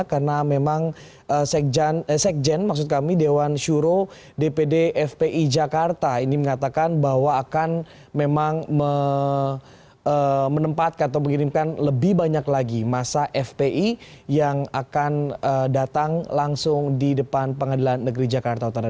karena memang sekjen maksud kami dewan syuro dpd fpi jakarta ini mengatakan bahwa akan memang menempatkan atau mengirimkan lebih banyak lagi masa fpi yang akan datang langsung di depan pengadilan negeri jakarta utara